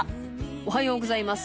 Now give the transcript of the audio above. おはようございます。